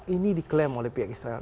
ini diklaim oleh pihak israel